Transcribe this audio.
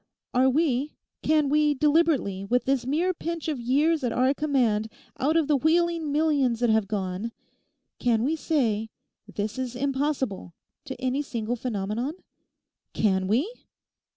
Are we—can we, deliberately, with this mere pinch of years at our command out of the wheeling millions that have gone—can we say, "This is impossible," to any single phenomenon? Can we?